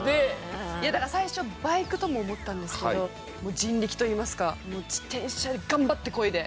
いやだから最初バイクとも思ったんですけど人力といいますか自転車頑張ってこいで。